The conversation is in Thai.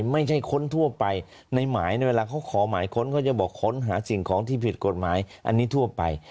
ค้นทั่วไปในหมายเวลาเขาขอหมายค้นเขาจะบอกค้นหาสิ่งของที่ผิดกฎหมายอันนี้ทั่วไป